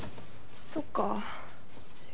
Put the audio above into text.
そっか。